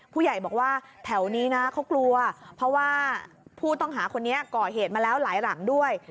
ผู้ใหญ่บอกว่าแถวนี้นะเขากลัวเพราะว่าผู้ต้องหาคนนี้ก่อเหตุมาแล้วหลายหลังด้วย